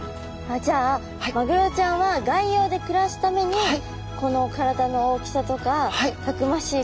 じゃあマグロちゃんは外洋で暮らすためにこの体の大きさとかたくましい体になったんですね。